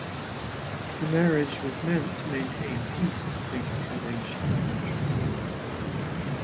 The marriage was meant to maintain peace between the two ancient countries.